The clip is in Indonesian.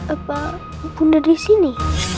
apa bunda di sini